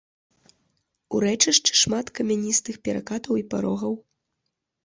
У рэчышчы шмат камяністых перакатаў і парогаў.